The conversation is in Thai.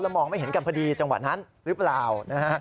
มองไม่เห็นกันพอดีจังหวะนั้นหรือเปล่านะฮะ